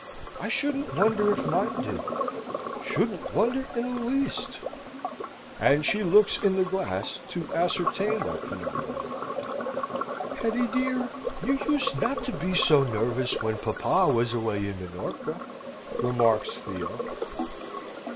I shouldn't wonder if mine did, shouldn't wonder in the least." And she looks in the glass to ascertain that phenomenon. "Hetty dear, you used not to be so nervous when papa was away in Minorca," remarks Theo.